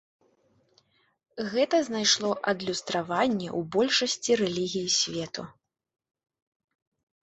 Гэта знайшло адлюстраванне ў большасці рэлігій свету.